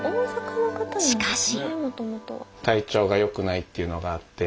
しかし。